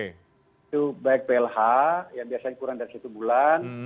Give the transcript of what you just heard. itu baik plh yang biasanya kurang dari satu bulan